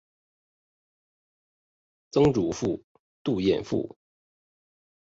曾祖父杜彦父。